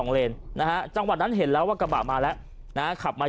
เลนนะฮะจังหวะนั้นเห็นแล้วว่ากระบะมาแล้วนะฮะขับมา